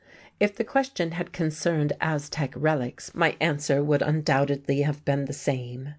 If the question had concerned Aztec relics my answer would undoubtedly have been the same.